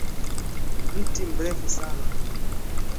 Mti mrefu sana.